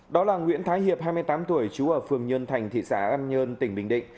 đó là nguyễn thái hiệp hai mươi tám tuổi chú ở phường nhân thành thị xã an nhơn tỉnh bình định